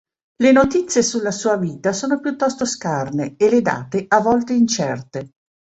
Le notizie sulla sua vita sono piuttosto scarne, e le date a volte incerte.